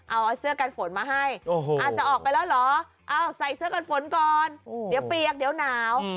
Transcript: เอาเสื้อกันฝนมาให้อาจจะออกไปแล้วเหรอใส่เสื้อกันฝนก่อนเดี๋ยวเปียกเดี๋ยวหนาว